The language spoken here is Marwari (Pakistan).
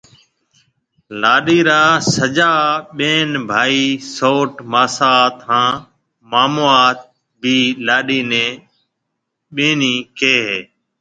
لاڏيِ را سجا ٻين ڀائي، سئوٽ، ماسات هانَ مومات بي لاڏيَ نَي ٻَينِي ڪهيَ هيَ۔